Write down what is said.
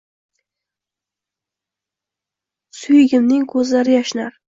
Suydigimning ko’zlari yashnar